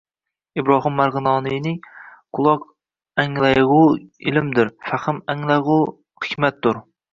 Ibrohim Marg‘inoniyning: “Quloq anglag‘oni ilmdur, fahm anglag‘oni hikmatdur”